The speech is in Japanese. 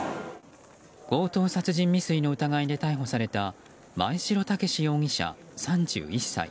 強盗殺人未遂の疑いで逮捕された真栄城健容疑者、３１歳。